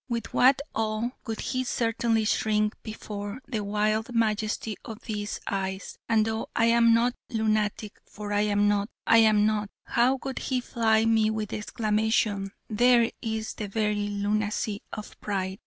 With what awe would he certainly shrink before the wild majesty of these eyes; and though I am not lunatic for I am not, I am not how would he fly me with the exclamation: 'There is the very lunacy of Pride!'